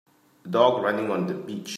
A dog running on the beach.